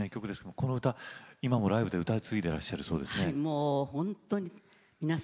この歌を今でもライブで歌い継いでいらっしゃるそうですね。